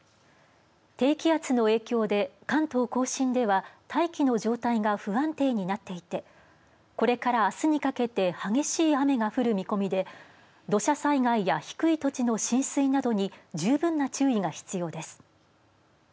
低気圧の影響で関東甲信では大気の状態が不安定になっていてこれからあすにかけて激しい雨が降る見込みで土砂災害や低い土地の浸水などに十分な注意が必要です。